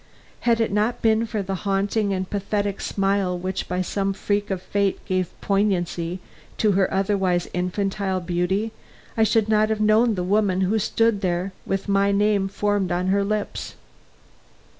Had it not been for the haunting and pathetic smile which by some freak of fate gave poignancy to her otherwise infantile beauty, I should not have known the woman who stood there with my name formed on her lips.